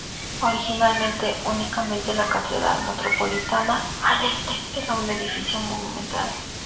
Originalmente, únicamente la Catedral Metropolitana al este era un edificio monumental.